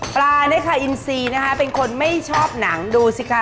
เนี่ยค่ะอินซีนะคะเป็นคนไม่ชอบหนังดูสิคะ